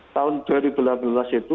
tahun dua ribu delapan belas itu